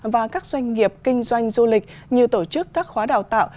và các doanh nghiệp kinh doanh du lịch như tổ chức các khóa đào tạo